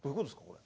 これ。